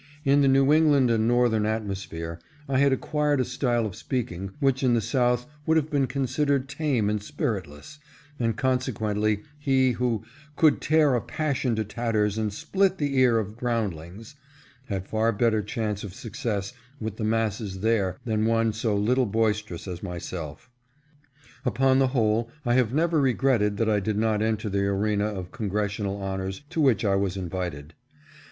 In the New England and Northern atmosphere I had acquired a style of speaking which in the South would have been considered tame and spiritless, and consequently he who " could tear a passion to tatters and split the ear of ground lings " had far better chance of success with the masses there than one so little boisterous as myself. Upon the whole I have never regretted that I did not enter the arena of Congressional honors to which I was invited.